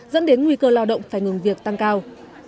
dẫn đến nguy cơ lao động phải ngừng việc tăng cao